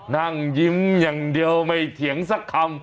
นั่งยิ้มอย่างเดียวไม่เถียงสักคำ